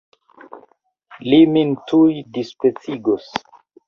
Li min tuj dispecigos!